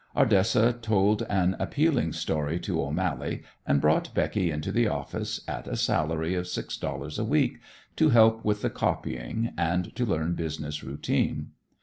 Ardessa told an appealing story to O'Mally, and brought Becky into the office, at a salary of six dollars a week, to help with the copying and to learn business routine.